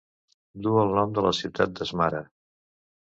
Duu el nom de la ciutat de Smara.